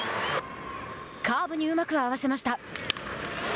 カーブにうまく合わせました。